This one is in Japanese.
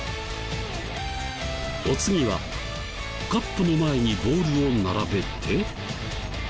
お次はカップの前にボールを並べて。